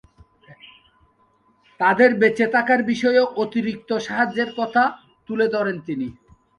তাদের বেঁচে থাকার বিষয়ে অতিরিক্ত সাহায্যের কথাও তুলে ধরেন তিনি।